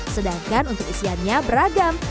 sedangkan untuk isiannya beragam